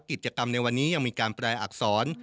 กิจกรรมในวันนี้ยังมีการแปลอักษร